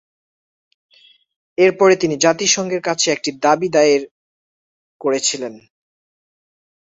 এরপরে তিনি জাতিসংঘের কাছে একটি দাবি দায়ের করেছিলেন।